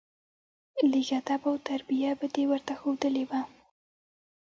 لېږ ادب او تربيه به دې ورته ښودلى وه.